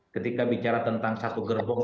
ketika bicara tentang satu gerbong